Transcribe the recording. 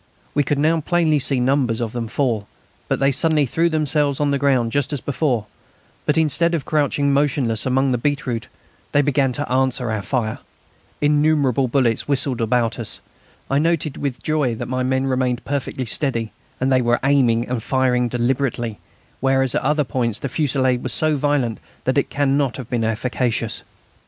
We could now plainly see numbers of them fall; then they suddenly threw themselves on the ground just as before. But instead of crouching motionless among the beetroot they began to answer our fire. Innumerable bullets whistled about us. I noted with joy that my men remained perfectly steady; they were aiming and firing deliberately, whereas at other points the fusillade was so violent that it cannot have been efficacious.